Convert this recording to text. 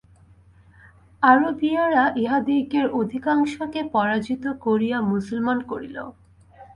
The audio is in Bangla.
আরবীয়েরা ইহাদিগের অধিকাংশকে পরাজিত করিয়া মুসলমান করিল।